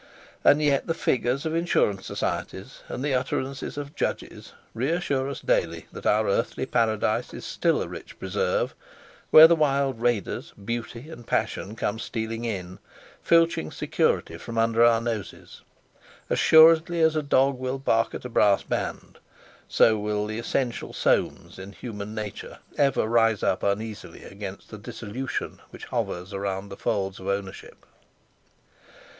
And yet the figures of Insurance Societies and the utterances of Judges reassure us daily that our earthly paradise is still a rich preserve, where the wild raiders, Beauty and Passion, come stealing in, filching security from beneath our noses. As surely as a dog will bark at a brass band, so will the essential Soames in human nature ever rise up uneasily against the dissolution which hovers round the folds of ownership.